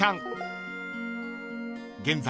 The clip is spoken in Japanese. ［現在